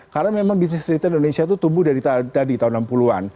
karena memang bisnis retail di indonesia itu tumbuh dari tahun enam puluh an